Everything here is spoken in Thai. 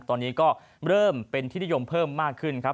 ตอนนี้ก็เริ่มเป็นที่นิยมเพิ่มมากขึ้นครับ